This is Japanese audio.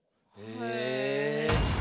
へえ！